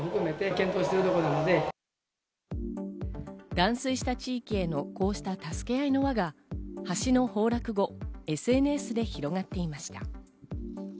断水した地域へのこうした助け合いの輪が橋の崩落後、ＳＮＳで広がっていました。